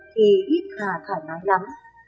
khi ít hà thoải mái lắm